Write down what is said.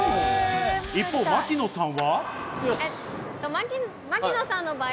一方、槙野さんは。